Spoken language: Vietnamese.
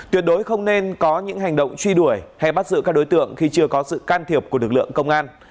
tuyệt đối không nên có những hành động truy đuổi hay bắt giữ các đối tượng khi chưa có sự can thiệp của lực lượng công an